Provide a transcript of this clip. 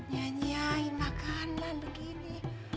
nyanyain makanan begini